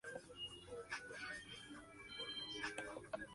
Es el único aeropuerto comercial en la Isla Andros.